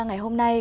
ngày hôm nay